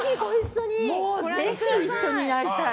ぜひ、一緒にやりたい。